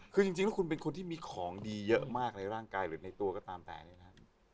คือจริงแล้วคุณเป็นคนที่มีของดีเยอะมากในร่างกายหรือในตัวก็ตามแต่นี่นะครับ